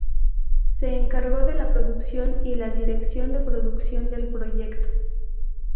Se encargó de la producción y la dirección de producción del proyecto.